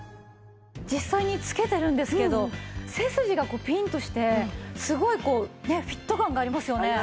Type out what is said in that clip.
実際に着けてるんですけど背筋がこうピンッとしてすごいこうフィット感がありますよね。